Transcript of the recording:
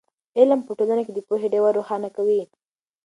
علم په ټولنه کې د پوهې ډېوه روښانه کوي.